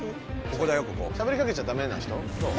しゃべりかけちゃダメな人？